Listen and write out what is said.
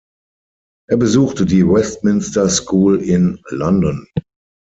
Er besuchte die Westminster School in London.